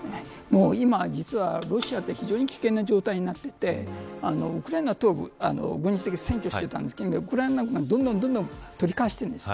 今、実はロシアって非常に危険な状態になっていてウクライナ東部軍事的に占拠していたんですけどウクライナ軍がどんどんと取り返してるんです。